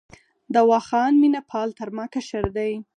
دوا خان مینه پال تر ما کشر دی.